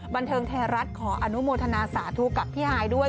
บันเทิงไทยรัฐขออนุโมทนาสาธุกับพี่ฮายด้วย